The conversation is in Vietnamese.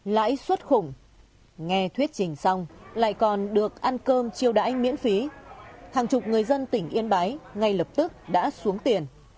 lãi suất khủng nghe thuyết trình xong lại còn được ăn cơm chiêu đãi miễn phí hàng chục người dân tỉnh yên bái ngay lập tức đã xuống tiền